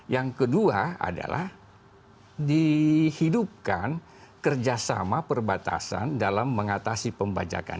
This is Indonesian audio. yang kedua adalah dihidupkan kerjasama perbatasan dalam mengatasi pembajakan